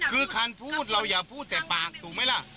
คือการพูดเราอย่าพูดแต่ปากถูกไหมล่ะ